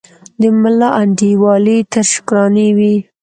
د ملا انډیوالي تر شکرانې وي